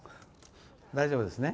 大丈夫ですね。